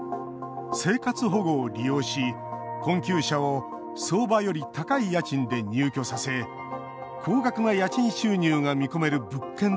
生活保護を利用し、困窮者を相場より高い家賃で入居させ高額な家賃収入が見込める物件として転売。